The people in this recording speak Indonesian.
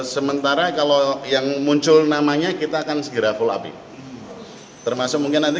sementara kalau yang muncul namanya kita akan segera follow up termasuk mungkin nanti